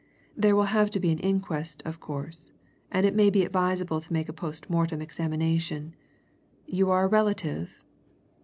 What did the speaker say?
"There will have to be an inquest, of course, and it may be advisable to make a post mortem examination. You are a relative?"